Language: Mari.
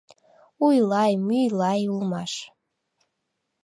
Уй-лай, мӱй-лай улмаш.